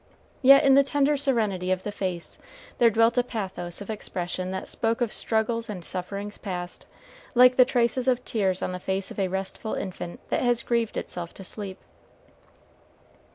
Yet in the tender serenity of the face there dwelt a pathos of expression that spoke of struggles and sufferings past, like the traces of tears on the face of a restful infant that has grieved itself to sleep.